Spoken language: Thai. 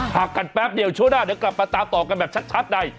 พักกันแป๊บเดียวช่วงหน้าเดี๋ยวกลับมาตามต่อกันแบบชัดใน